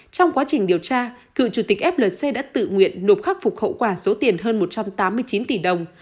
trong quá trình điều tra cựu chủ tịch flc đã tự nguyện nộp khắc phục hậu quả số tiền hơn một trăm tám mươi chín tỷ đồng